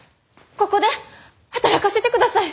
ここで働かせてください！